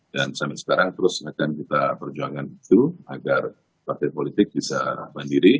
dan sampai sekarang terus akan kita perjuangkan itu agar partai politik bisa mandiri